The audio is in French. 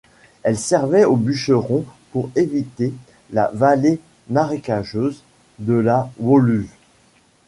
Elle servait aux bûcherons pour éviter la vallée marécageuse de la Woluwe.